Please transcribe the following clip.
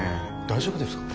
大丈夫ですか？